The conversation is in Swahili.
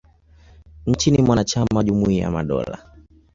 Nchi ni mwanachama wa Jumuia ya Madola.